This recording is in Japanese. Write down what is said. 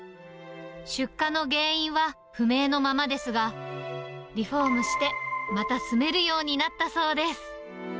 出火の原因は不明のままですが、リフォームして、また住めるようになったそうです。